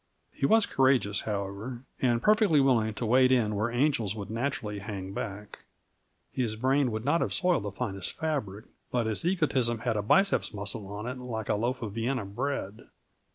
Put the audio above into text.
He was courageous, however, and perfectly willing to wade in where angels would naturally hang back. His brain would not have soiled the finest fabric, but his egotism had a biceps muscle on it like a loaf of Vienna bread.